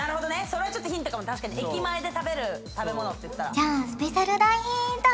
それはちょっとヒントかも確かに駅前で食べる食べ物ってじゃスペシャル大ヒント